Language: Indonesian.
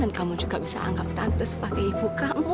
dan kamu juga bisa anggap tante sebagai ibu kamu